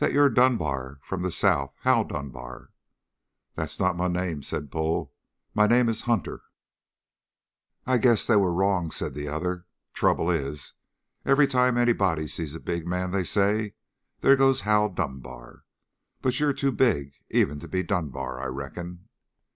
"That you're Dunbar from the South Hal Dunbar." "That's not my name," said Bull. "My name is Hunter." "I guess they were wrong," said the other. "Trouble is, every time anybody sees a big man they say, 'There goes Hal Dunbar.' But you're too big even to be Dunbar I reckon."